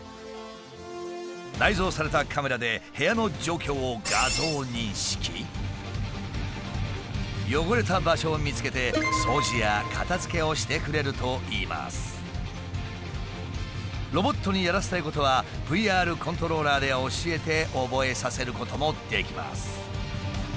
内蔵されたカメラで部屋の状況を汚れた場所を見つけてロボットにやらせたいことはＶＲコントローラーで教えて覚えさせることもできます。